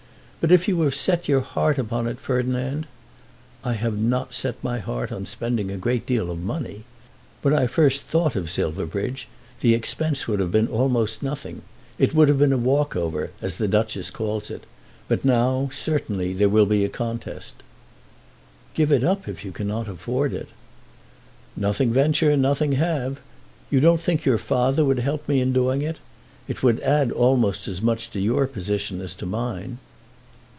But if you have set your heart upon it, Ferdinand " "I have not set my heart on spending a great deal of money. When I first thought of Silverbridge the expense would have been almost nothing. It would have been a walk over, as the Duchess calls it. But now there will certainly be a contest." "Give it up if you cannot afford it." "Nothing venture nothing have. You don't think your father would help me in doing it? It would add almost as much to your position as to mine."